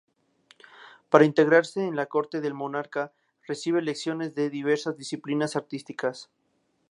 Para integrarse en la corte del monarca, recibe lecciones en diversas disciplinas artísticas.